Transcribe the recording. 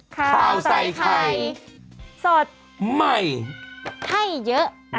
ข้าวใส่ไข่สดใหม่ให้เยอะ